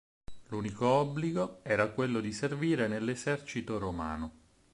L'unico obbligo era quello di servire nell'esercito romano.